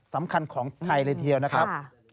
สำคัญของไทยเลยทีเดียวนะครับ